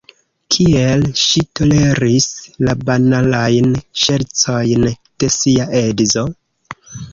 Kiel ŝi toleris la banalajn ŝercojn de sia edzo?